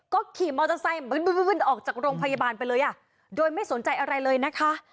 ก็ขี่มอเตอร์ไซค์ออกจากโรงพยาบาลไปเลยอ่ะโดยไม่สนใจอะไรเลยนะคะ